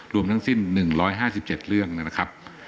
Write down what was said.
รวมทั้งสิ้น๑๕๗เรื่องนะครับ